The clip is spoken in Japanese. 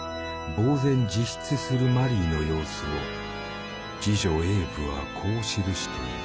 自失するマリーの様子を次女エーヴはこう記している。